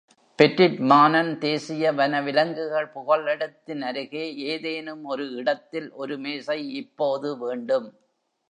Petit Manan தேசிய வனவிலங்குகள் புகலிடத்தின் அருகே ஏதேனும் ஒரு இடத்தில் ஒரு மேசை இப்போது வேண்டும்.